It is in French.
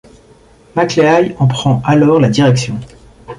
Macleay en prend alors la direction.